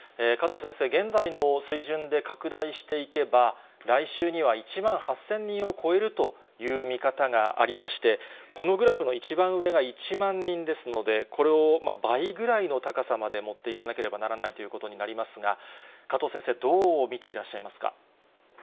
加藤先生、現在の水準で拡大していけば、来週には１万８０００人を超えるという見方がありまして、このグラフの一番上が１万人ですので、これを倍ぐらいの高さまで持っていかなければならないということになりますが、加藤先生、どう見ていらっしゃいますか？